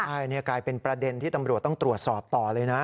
ใช่นี่กลายเป็นประเด็นที่ตำรวจต้องตรวจสอบต่อเลยนะ